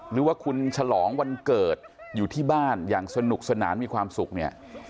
หรือว่าคุณฉลองวันเกิดอยู่ที่บ้านอย่างสนุกสนานมีความสุขเนี่ย